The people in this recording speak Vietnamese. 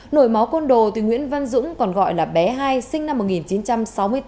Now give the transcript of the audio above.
nổi máu côn đồ thì nguyễn văn dũng còn gọi là bé hai sinh năm một nghìn chín trăm sáu mươi tám